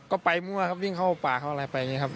ก็ไปมั่วครับวิ่งเข้าป่าเข้าอะไรไปอย่างนี้ครับ